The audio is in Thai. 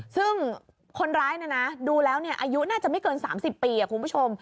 ซึ่งคนร้ายดูแล้วอายุน่าจะไม่เกิน๓๐ปีคุณผู้ชม